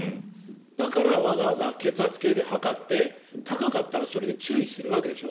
だからわざわざ血圧計で測って高かったら注意するわけでしょ。